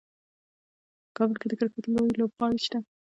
کابل کې د کرکټ لوی لوبغالی شته.